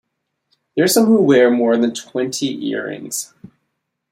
There are some who wear more than twenty ear-rings.